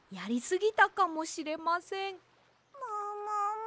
ももも。